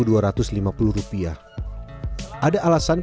ada alasan para penambang tetap begitu